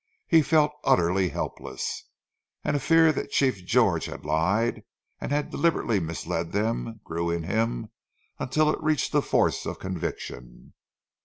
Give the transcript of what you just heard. He felt utterly helpless, and a fear that Chief George had lied, and had deliberately misled them, grew in him till it reached the force of conviction.